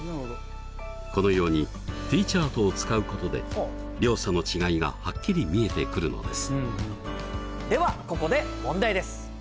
このようにＴチャートを使うことで両者の違いがはっきり見えてくるのです。